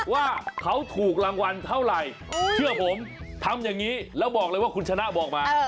ว่าเขาถูกรางวัลเท่าไหร่เชื่อผมทำอย่างนี้แล้วบอกเลยว่าคุณชนะบอกมา